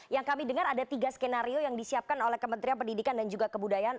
yang kami dengar ada tiga skenario yang disiapkan oleh kementerian pendidikan dan juga kebudayaan